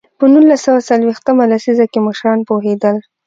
په نولس سوه څلوېښت مه لسیزه کې مشران پوهېدل.